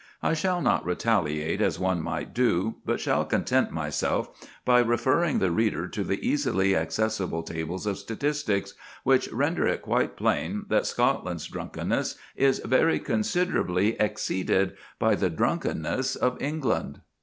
I shall not retaliate as one might do, but shall content myself by referring the reader to the easily accessible tables of statistics, which render it quite plain that Scotland's drunkenness is very considerably exceeded by the drunkenness of England.